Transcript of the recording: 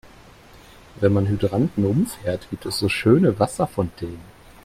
Wenn man Hydranten umfährt, gibt es so schöne Wasserfontänen.